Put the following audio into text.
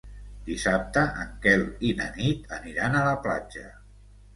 Dissabte en Quel i na Nit aniran a la platja.